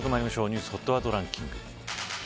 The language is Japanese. ニュースＨＯＴワードランキング。